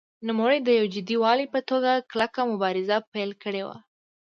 نوموړي د یو جدي والي په توګه کلکه مبارزه پیل کړې وه.